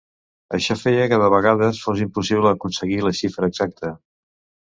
Això feia que de vegades fos impossible aconseguir la xifra exacta.